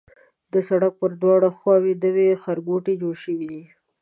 د سړک پر دواړو خواوو نوي ښارګوټي جوړ شوي دي.